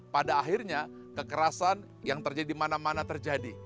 pada akhirnya kekerasan yang terjadi mana mana terjadi